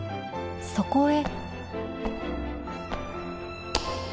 そこへ